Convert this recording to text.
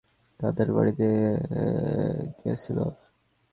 একদিন সে এক সহপাঠীর সঙ্গে তাহদের বাড়িতে গিয়াছিল।